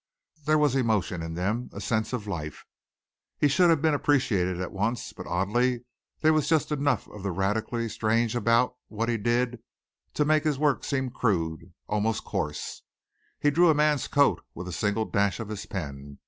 There was emotion in them, a sense of life. He should have been appreciated at once, but, oddly, there was just enough of the radically strange about what he did to make his work seem crude, almost coarse. He drew a man's coat with a single dash of his pen.